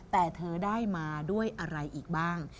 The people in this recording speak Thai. แต่เธอได้มาด้วยอะไรอีกบ้าง